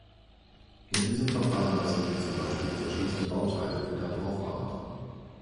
Mit diesem Verfahren lassen sich zum Beispiel verschlissene Bauteile wieder brauchbar machen.